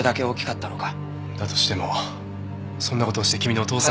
だとしてもそんな事をして君のお父さんは。